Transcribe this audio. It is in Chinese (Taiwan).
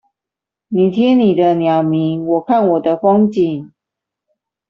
你聽你的鳥鳴，我看我的風景